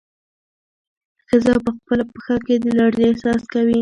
ښځه په خپله پښه کې د لړزې احساس کوي.